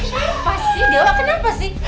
kenapa sih dewa kenapa sih